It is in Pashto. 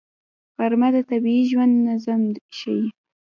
غرمه د طبیعي ژوند نظم ښيي